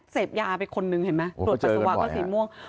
เสพยาไปคนนึงเห็นไหมตรวจปัสสาวะก็สีม่วง